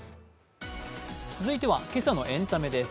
続いては今朝のエンタメです。